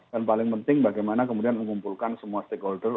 dan paling penting bagaimana kemudian mengumpulkan semua stakeholder